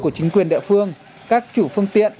của chính quyền địa phương các chủ phương tiện